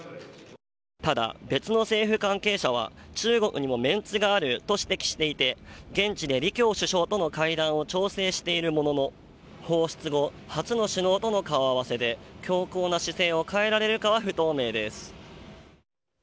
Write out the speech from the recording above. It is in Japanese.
ただ、別の政府関係者は中国にもメンツがあると指摘していて、現地で李強首相との会談を調整しているものの、放出後初の首脳との顔合わせで、強硬な姿勢を変えられるかは不透明です。